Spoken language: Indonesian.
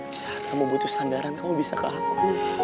di saat kamu butuh sandaran kamu bisa ke aku